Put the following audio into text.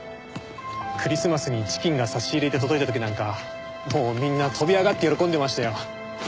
クリスマスにチキンが差し入れで届いた時なんかもうみんな跳び上がって喜んでましたよ。